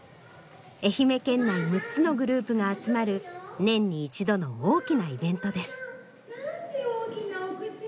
愛媛県内６つのグループが集まる年に一度の大きなイベントです。なんて大きなお口。